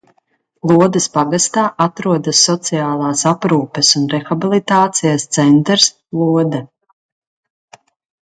"Lodes pagastā atrodas Sociālās aprūpes un rehabilitācijas centrs "Lode"."